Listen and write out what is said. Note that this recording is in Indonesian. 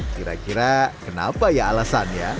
kira kira kenapa ya alasannya